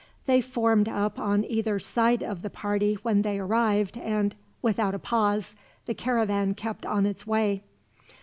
They formed up on either side of the party when they arrived and, without a pause, the caravan kept on its way.